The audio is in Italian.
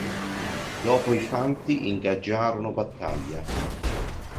Dopo i fanti ingaggiarono battaglia.